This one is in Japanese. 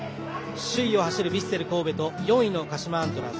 首位を走るヴィッセル神戸と４位の鹿島アントラーズ。